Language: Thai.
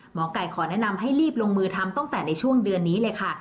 หมอไก่ขอแนะนำให้รีบลงมือทำตั้งแต่ในช่วงเดือนนี้เลยค่ะ